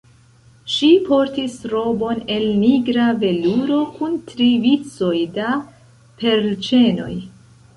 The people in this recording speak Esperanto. Ŝi portis robon el nigra veluro kun tri vicoj da perlĉenoj.